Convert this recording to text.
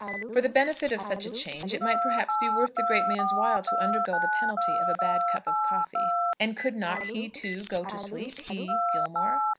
For the benefit of such a change it might perhaps be worth the great man's while to undergo the penalty of a bad cup of coffee. And could not he, too, go to sleep, he, Gilmore?